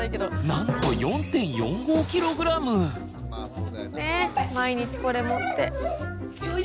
なんと毎日これ持って。